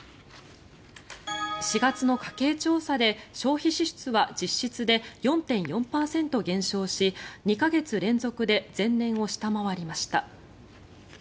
４月の家計調査で消費支出は実質で４．４％減少し２か月連続で前年を下回りました。